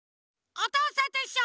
「おとうさんといっしょ」